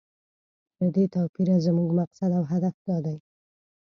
له دې توپیره زموږ مقصد او هدف دا دی.